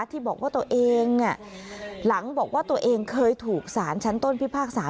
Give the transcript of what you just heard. ที่บอกว่าตัวเองหลังบอกว่าตัวเองเคยถูกสารชั้นต้นพิพากษา